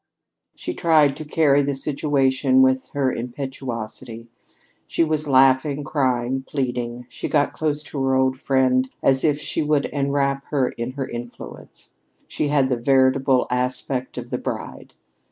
She tried to carry the situation with her impetuosity. She was laughing, crying, pleading. She got close to her old friend as if she would enwrap her in her influence. She had the veritable aspect of the bride.